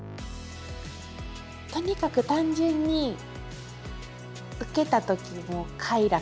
とにかく単純にウケた時の快楽。